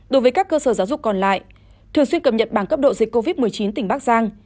đối với các cơ sở giáo dục còn lại thường xuyên cập nhật bảng cấp độ dịch covid một mươi chín tỉnh bắc giang